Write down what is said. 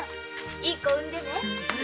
いい子を産んでね。